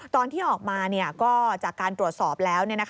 ตอนที่ออกมาก็จากการตรวจสอบแล้ว